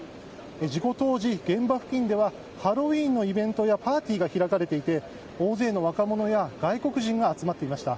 事故当時、現場付近ではハロウィーンのイベントやパーティーが開かれていて大勢の若者や外国人が集まっていました。